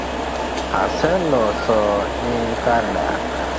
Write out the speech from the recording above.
Aseloso ni kar dak